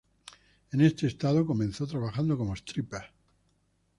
En este estado comenzó trabajando como stripper.